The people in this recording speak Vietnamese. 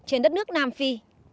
trên đất nước nam phi